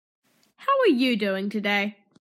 How are you doing today?